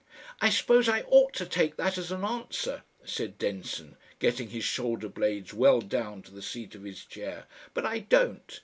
"I suppose I OUGHT to take that as an answer," said Denson, getting his shoulder blades well down to the seat of his chair; "but I don't.